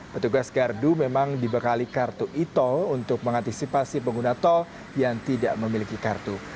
petugas gardu memang dibekali kartu e tol untuk mengantisipasi pengguna tol yang tidak memiliki kartu